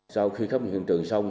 sau khi khám nghiệm hiện trường xong